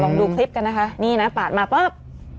ดูคลิปกันนะคะนี่นะปาดมาปุ๊บ